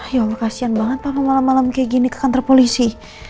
ya allah kasian banget papa malam malam kayak gini ke kantor polisi